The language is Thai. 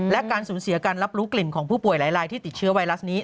และการสูญเสียการรับรู้กลิ่นของผู้ป่วยหลายที่ติดเชื้อไวรัสนี้